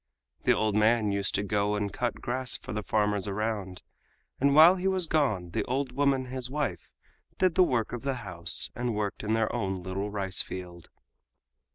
The old man used to go and cut grass for the farmers around, and while he was gone the old woman, his wife, did the work of the house and worked in their own little rice field.